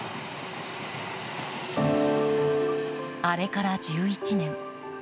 あれから１１年。